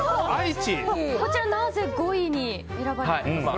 こちら、なぜ５位に選ばれたんですか？